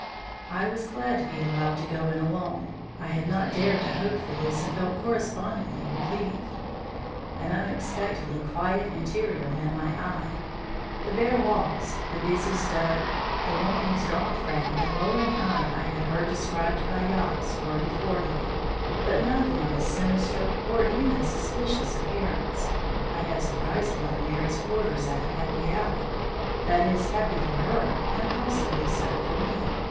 I was glad to be allowed to go in alone. I had not dared to hope for this and felt correspondingly relieved. An unexpectedly quiet interior met my eye. The bare walls, the busy stove, the woman whose gaunt frame and lowering eye I had heard described by Yox, were before me, but nothing of a sinister, or even suspicious, appearance. I had surprised Mother Merry's quarters at a happy hour; that is, happy for her and possibly so for me.